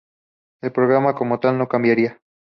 La programa como tal no cambiaría.